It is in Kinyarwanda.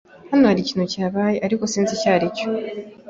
Hano hari ikintu cyabaye, ariko sinzi icyo ari cyo